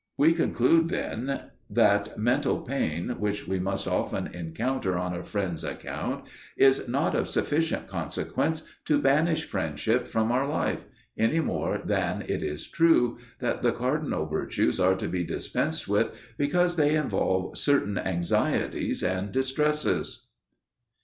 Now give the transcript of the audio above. We conclude then that mental pain which we must often encounter on a friend's account is not of sufficient consequence to banish friendship from our life, any more than it is true that the cardinal virtues are to be dispensed with because they involve certain anxieties and distresses.